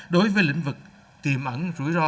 đối với lĩnh vực tiềm ẩn